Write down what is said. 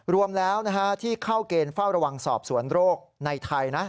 รวมแล้วที่เข้าเกณฑ์เฝ้าระวังสอบสวนโรคในไทยนะ